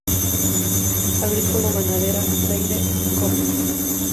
Agricolo-Ganadera Freyre y Coop.